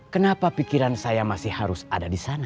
kenapa pikiran saya masih harus ada di sana